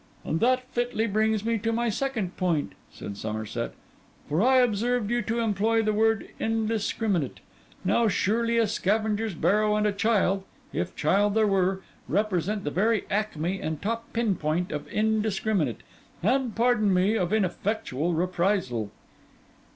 'And that fitly brings me to my second point,' said Somerset. 'For I observed you to employ the word "indiscriminate." Now, surely, a scavenger's barrow and a child (if child there were) represent the very acme and top pin point of indiscriminate, and, pardon me, of ineffectual reprisal.